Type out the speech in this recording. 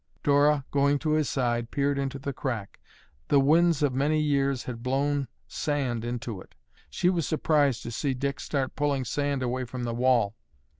Dora, going to his side, peered into the crack. The winds of many years had blown sand into it. She was surprised to see Dick start pulling the sand away from the wall.